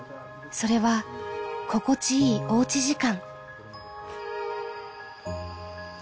それはここちいいおうち時間。